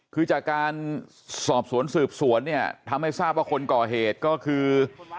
คือจากการสอบสวนสืบสวนเนี่ยทำให้ทราบว่าคนก่อเหตุก็คือ